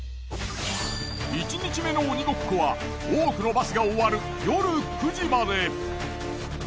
１日目の鬼ごっこは多くのバスが終わる夜９時まで。